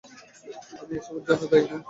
আমি এসবের জন্য দায়ী নই!